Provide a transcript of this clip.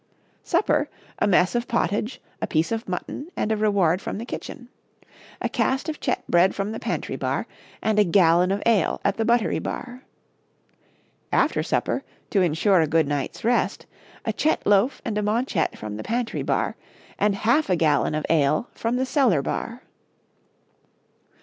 Supper, a messe of pottage, a piece of mutton and a reward from the kitchen. A caste of chete bread from the pantry bar, and a gallon of ale at the buttery bar. After supper to insure a good night's rest a chete loaf and a maunchet from the pantry bar, and half a gallon of ale from the seller bar.